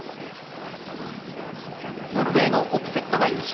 ノルウェーのオプセットが優勝。